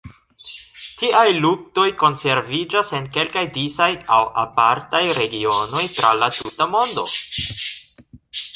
Tiaj luktoj konserviĝis en kelkaj disaj aŭ apartaj regionoj tra la tuta mondo.